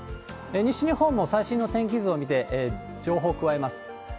西日本も最新の天気図を見て、情報を加えます。